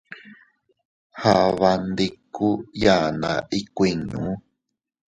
Aaban ndikuu yaanna ikuuinnu.